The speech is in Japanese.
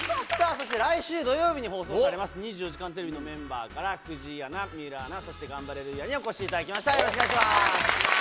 そして、来週土曜日に放送されます２４時間テレビのメンバーから、藤井アナ、水卜アナ、そしてガンバレルーヤの２人にお越しいただきました。